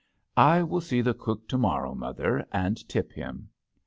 "I will see the cook to morrow, mother, and tip him."